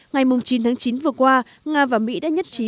ngày chín tháng chín vừa qua nga và mỹ đã nhất trí